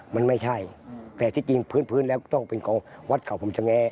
มันไม่ใช่แต่ที่จริงพื้นแล้วต้องเป็นของวัดเขาพรมชะแง